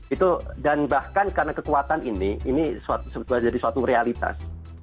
itu dan bahkan karena kekuatan ini ini sebetulnya jadi suatu realitas